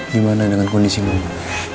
gimana dengan kondisi mama